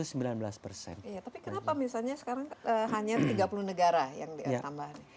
iya tapi kenapa misalnya sekarang hanya tiga puluh negara yang ditambah nih